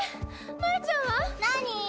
マリちゃんは⁉何？